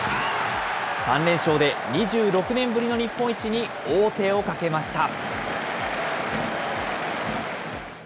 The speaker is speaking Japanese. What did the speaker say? ３連勝で、２６年ぶりの日本一に王手をかけました。